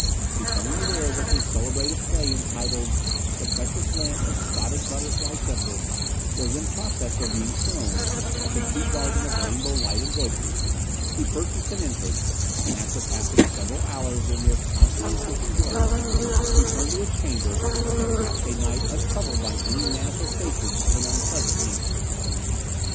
Becoming aware that the celebrated play entitled "The Precious Lamp of Spotted Butterfly Temple" was in process of being shown at the Tea Garden of Rainbow Lights and Voices, he purchased an entrance, and after passing several hours in this conscientious enjoyment, returned to his chamber, and passed a night untroubled by any manifestations of an unpleasant nature.